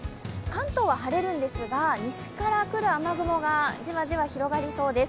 関東は晴れるんですが、西から来る雨雲がじわじわ広がりそうです。